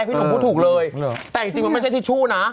ใช่ถูกเลยแต่จริงมันไม่ใช่ทิชชู่น่ะ